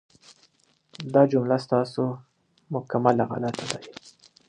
ناسم او وينگيزې ليکنې کول د پښتو راتلونکی تتوي